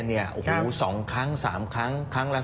โอ้โหสองครั้งสามครั้งครั้งละ๐๒๕